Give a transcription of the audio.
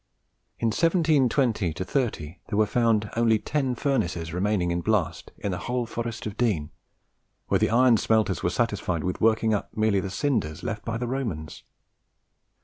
In 1720 30 there were found only ten furnaces remaining in blast in the whole Forest of Dean, where the iron smelters were satisfied with working up merely the cinders left by the Romans.